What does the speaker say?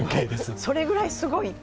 それぐらいすごいって